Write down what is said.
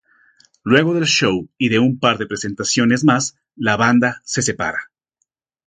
Luego del show y de un par de presentaciones más, la banda se separa.